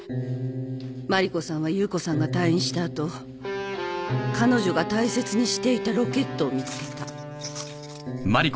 麻里子さんは夕子さんが退院した後彼女が大切にしていたロケットを見つけた。